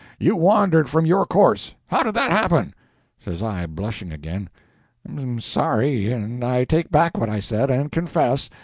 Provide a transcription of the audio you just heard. You wandered from your course. How did that happen?" Says I, blushing again— "I'm sorry, and I take back what I said, and confess.